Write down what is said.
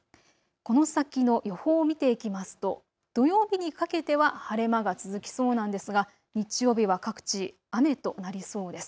この先の予報を見ていきますと土曜日にかけては晴れ間が続きそうなんですが日曜日は各地、雨となりそうです。